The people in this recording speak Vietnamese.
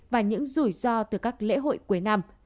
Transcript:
và những rủi ro từ các lễ hội cuối năm